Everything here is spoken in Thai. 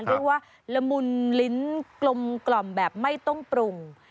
เรียกว่าละมุนลิ้นกลมกล่อมแบบไม่ต้องปรุง